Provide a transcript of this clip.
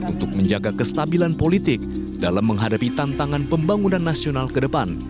untuk menjaga kestabilan politik dalam menghadapi tantangan pembangunan nasional ke depan